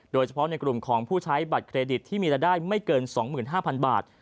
โดยเฉพาะในกลุ่มของผู้ใช้บัตรเครดิตที่มีรายได้ไม่เกิน๒๕๐๐๐บาท